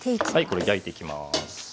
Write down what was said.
これ焼いていきます。